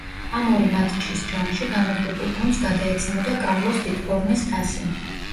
ამ ორი მატჩის ჯამში გამარჯვებულ გუნდს გადაეცემოდა კარლოს დიტბორნის თასი.